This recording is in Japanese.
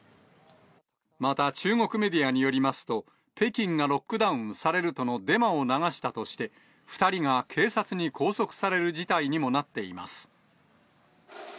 また、中国メディアによりますと、北京がロックダウンされるとのデマを流したとして、２人が警察に拘束される事態にもなっています。